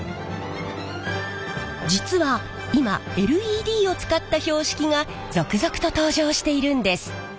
実は今ＬＥＤを使った標識が続々と登場しているんです。